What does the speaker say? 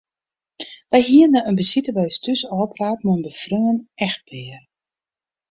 Wy hiene in besite by ús thús ôfpraat mei in befreone echtpear.